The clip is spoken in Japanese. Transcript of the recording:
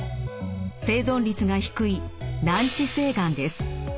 生存率が低い難治性がんです。